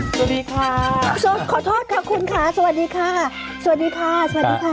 สวัสดีค่ะขอโทษค่ะคุณค่ะสวัสดีค่ะสวัสดีค่ะสวัสดีค่ะ